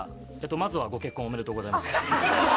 まずはご結婚おめでとうございます。